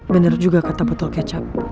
benar juga kata botol kecap